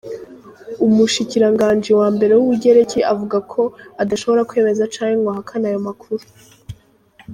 Umushikiranganji wa mbere w'Ubugereki avuga ko adashobora kwemeza canke ngo ahakane ayo makuru.